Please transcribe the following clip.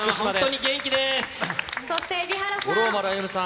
そして、蛯原さん。